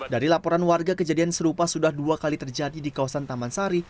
dari laporan warga kejadian serupa sudah dua kali terjadi di kawasan taman sari